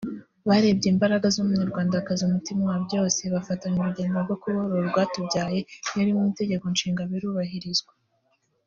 Barebye imbaraga z’umunyarwandakazi umutima wa byose bafatanya urugendo rwo kubohora urwatubyaye n’ibiri mu Itegeko Nshinga birubahirizwa